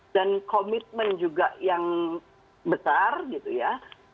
dan komitmen juga yang besar gitu ya